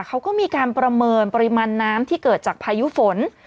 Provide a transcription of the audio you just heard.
เขาก็มีการประเมินปริมาณน้ำที่เกิดจากพายุฝน